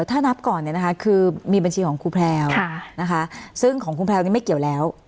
ถ้านับก่อนคือมีบัญชีของคุณแพลวซึ่งของคุณแพลวนี้ไม่เกี่ยวแล้ว